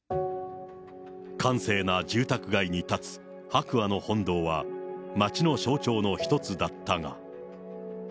閑静な住宅街に建つ白亜の本堂は街の象徴の一つだったが。